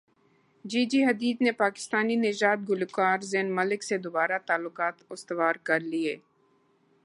جی جی Hadid نے پاکستانی نژاد گلوکار زین ملک سے دوبارہ تعلقات استوار کرلیے